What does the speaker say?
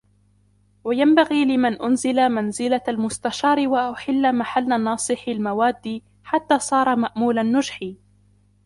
وَيَنْبَغِي لِمَنْ أُنْزِلَ مَنْزِلَةَ الْمُسْتَشَارِ وَأُحِلَّ مَحَلَّ النَّاصِحِ الْمَوَادِّ حَتَّى صَارَ مَأْمُولَ النُّجْحِ